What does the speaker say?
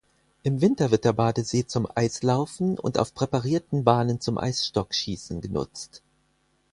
Im Winter wird der Badesee zum Eislaufen und auf präparierten Bahnen zum Eisstockschießen genutzt.